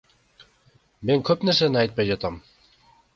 Мен көп нерсени айтпай жатам.